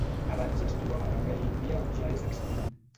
Abans es trobava també a l'Índia on ja és extint.